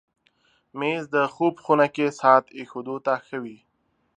مېز د خوب خونه کې ساعت ایښودو ته ښه وي.